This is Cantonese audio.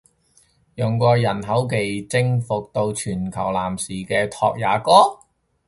用過人口技征服到全球男士嘅拓也哥！？